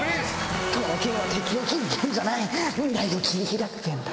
この剣は敵を斬る剣じゃない未来を切り開く剣だ！